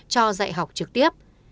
cho dạy học trực tiếp